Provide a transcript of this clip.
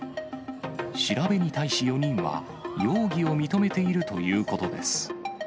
調べに対し４人は、容疑を認めているということです。